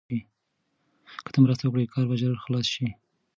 که ته مرسته وکړې نو کار به ژر خلاص شي.